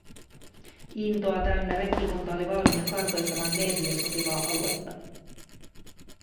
Intoa täynnä retkikunta oli valmiina kartoittamaan leirille sopivaa aluetta.